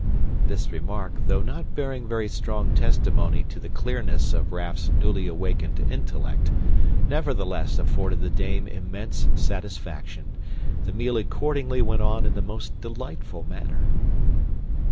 This remark, though not bearing very strong testimony to the clearness of Raff's newly awakened intellect, nevertheless afforded the dame immense satisfaction. The meal accordingly went on in the most delightful manner.